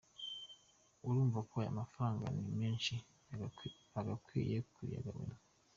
Urumva ko aya mafaranga ari menshi bagakwiye kuyagabanya.